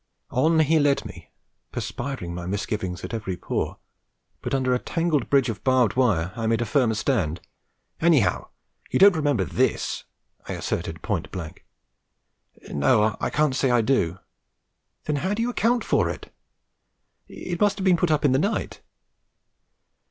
On he led me, perspiring my misgivings at every pore; but under a tangled bridge of barbed wire I made a firmer stand. 'Anyhow, you don't remember this!' I asserted point blank. 'No. I can't say I do.' 'Then how do you account for it?' 'It must have been put up in the night.'